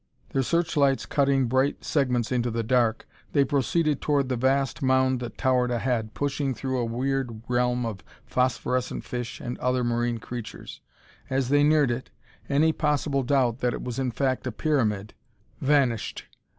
Their searchlights cutting bright segments into the dark, they proceeded toward the vast mound that towered ahead, pushing through a weird realm of phosphorescent fish and other marine creatures. As they neared it, any possible doubt that it was in fact a pyramid vanished.